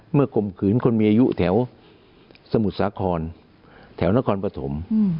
ข่มขืนคนมีอายุแถวสมุทรสาครแถวนครปฐม